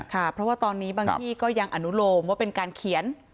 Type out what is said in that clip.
ค่ะเพราะว่าตอนนี้บางที่ก็ยังอนุโลมว่าเป็นการเขียน